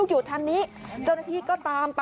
กลุ่มตัวเชียงใหม่